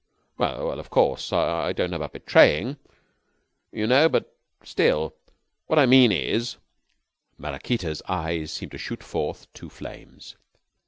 "Well, of course, I don't know about betraying, you know, but still . What I mean is " Maraquita's eyes seemed to shoot forth two flames.